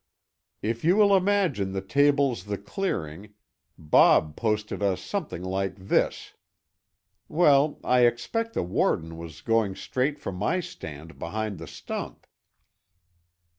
"If you will imagine the table's the clearing, Bob posted us something like this. Well, I expect the warden was going straight for my stand behind the stump."